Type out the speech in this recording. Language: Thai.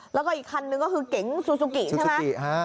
แล้วก็อีกคันนึงก็คือเก๋งซูซูกิใช่ไหม